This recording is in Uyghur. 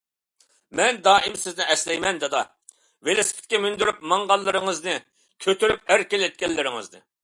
مەن دائىم سىزنى ئەسلەيمەن دادا . ۋېلسىپىتكە مىندۈرۈپ ماڭغانلىرىڭىزنى . كۆتۈرۈپ ئەركىلەتكەنلىرىڭىزنى